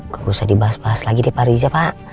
gak usah dibahas bahas lagi deh pak riza pak